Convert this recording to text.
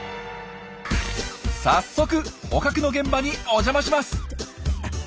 早速捕獲の現場にお邪魔します。